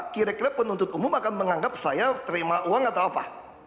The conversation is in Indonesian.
kira kira penuntut umum akan menganggap saya terima uang atau apa